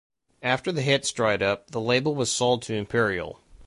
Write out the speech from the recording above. After the hits dried up, the label was sold to Imperial.